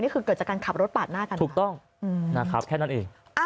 นี่คือเกิดจากการขับรถปากหน้ากันนะครับถูกต้องแค่นั้นเอง